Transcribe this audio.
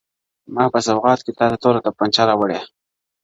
ما په سوغات کي تاته توره توپنچه راوړې